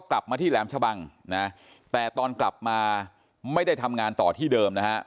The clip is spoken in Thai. กลับมาที่แหลมชะบังนะแต่ตอนกลับมาไม่ได้ทำงานต่อที่เดิมนะฮะ